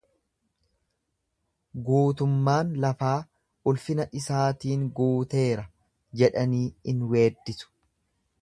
Guutummaan lafaa ulfina isaatiin guuteera jedhanii in weeddisu.